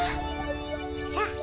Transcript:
さあ